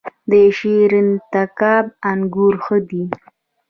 د شیرین تګاب انګور ښه دي